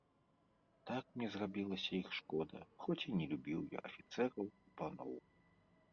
Так мне зрабілася іх шкода, хоць і не любіў я афіцэраў і паноў.